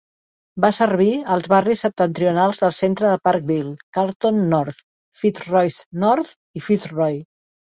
Va servir als barris septentrionals del centre de Parkville, Carlton North, Fitzroy North i Fitzroy.